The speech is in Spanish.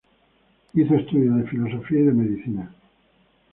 Hizo estudios de Filosofía y de Medicina.